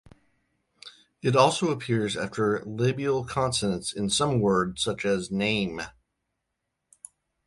It also appears after labial consonants in some words, such as "name".